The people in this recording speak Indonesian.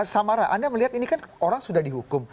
samara anda melihat ini kan orang sudah dihukum